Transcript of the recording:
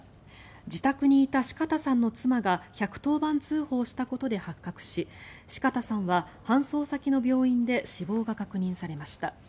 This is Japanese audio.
自宅にいた四方さんの妻が１１０番通報したことで発覚し四方さんは搬送先の病院で死亡が確認されました。